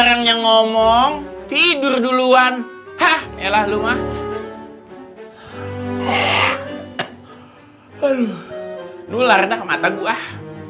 reina tidak akan jatuh